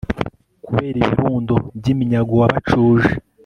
kubera ibirundo by'iminyago wabacuje